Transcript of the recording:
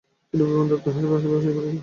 তিন বন্ধুতে বাহির হইয়া পড়িল।